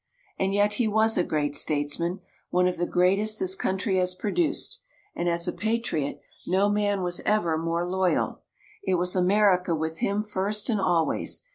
And yet he was a great statesman one of the greatest this country has produced, and as a patriot no man was ever more loyal. It was America with him first and always.